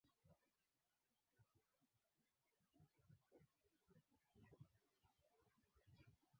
Injili nne zilizokubalika katika Agano Jipya kwa jumla lakini pia ziliandaliwa